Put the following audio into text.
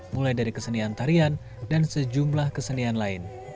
mulai dari kesenian tarian dan sejumlah kesenian lain